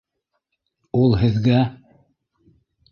Ул һеҙгә...